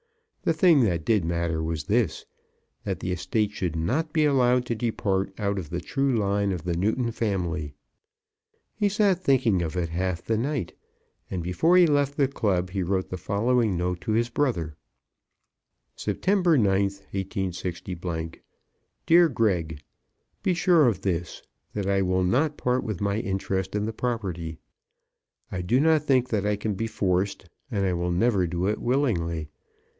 The thing that did matter was this, that the estate should not be allowed to depart out of the true line of the Newton family. He sat thinking of it half the night, and before he left the club he wrote the following note to his brother; September 9th, 186 . DEAR GREG., Be sure of this, that I will not part with my interest in the property. I do not think that I can be forced, and I will never do it willingly.